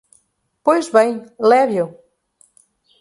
Pois bem, leve-o.